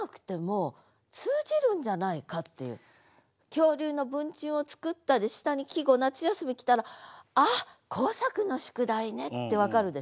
「恐竜の文鎮を作った」で下に季語「夏休」来たら「あっ工作の宿題ね」って分かるでしょ。